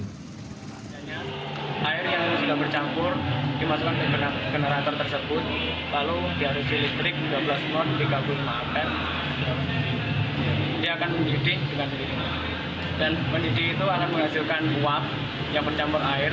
pada saat ini motor yang diberi arus listrik dua belas v hingga mendidih akan menghasilkan uap yang tercampur air